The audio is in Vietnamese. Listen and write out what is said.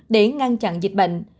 để ngăn chặn dịch bệnh